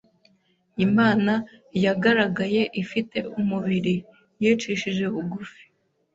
Imana yagaragaye ifite umubiri. Yicishije bugufi.